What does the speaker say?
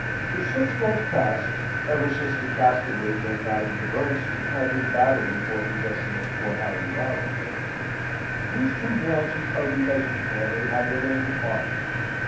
For six months past, ever since the Castlewoods and Madame de Bernstein had been battling for possession of poor Harry Warrington, these two branches of the Esmond family had remained apart.